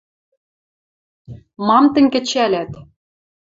— Мам тӹнь кӹчӓлӓт?